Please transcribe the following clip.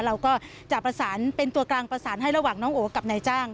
เราก็จะประสานเป็นตัวกลางประสานให้ระหว่างน้องโอกับนายจ้าง